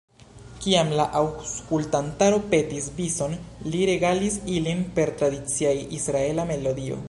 Kiam la aŭskultantaro petis bison, li regalis ilin per tradicia israela melodio.